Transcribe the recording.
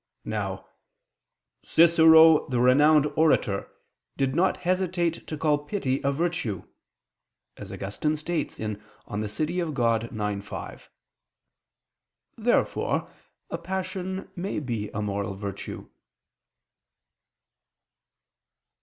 Now "Cicero the renowned orator did not hesitate to call pity a virtue," as Augustine states in De Civ. Dei ix, 5. Therefore a passion may be a moral virtue.